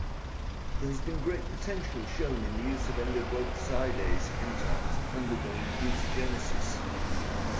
There has been great potential shown in the use of endoglycosidase enzymes undergoing mutagenesis.